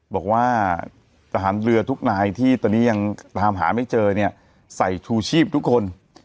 บอกว่าทหารเรือทุกนายที่ตอนนี้ยังตามหาไม่เจอเนี่ยใส่ชูชีพทุกคน